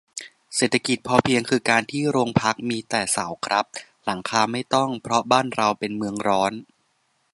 เศรษฐกิจพอเพียงคือการที่โรงพักมีแต่เสาครับ หลังคาไม่ต้อง เพราะบ้านเราเป็นเมืองร้อน